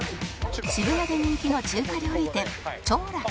渋谷で人気の中華料理店兆楽